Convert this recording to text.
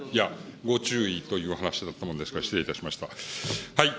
ご注意という話だったもんですから、失礼しました。